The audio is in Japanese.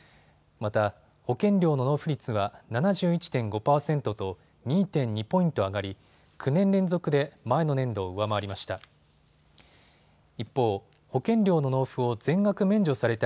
また保険料の納付率は７１．５％と２．２ポイント上がり９年連続で前の年度を上回りました。